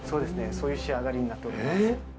そういう仕上がりになっております